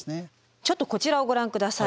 ちょっとこちらをご覧ください。